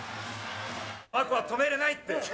マコは止めれないって！